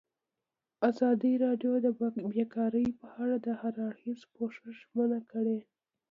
ازادي راډیو د بیکاري په اړه د هر اړخیز پوښښ ژمنه کړې.